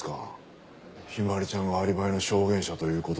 陽葵ちゃんがアリバイの証言者という事で。